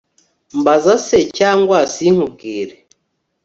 mbaza se cyangwa si nkubwire